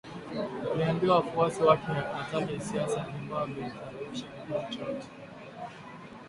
Aliwaambia wafuasi wake hataki siasa za Zimbabwe zisababishe kifo chochote